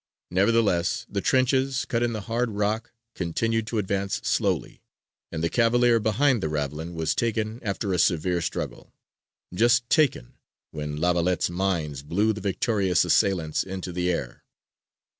Nevertheless, the trenches, cut in the hard rock, continued to advance slowly, and the cavalier behind the ravelin was taken after a severe struggle: just taken, when La Valette's mines blew the victorious assailants into the air.